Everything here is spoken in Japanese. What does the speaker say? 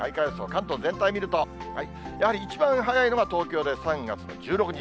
関東全体見ると、やはり一番早いのが東京で３月の１６日。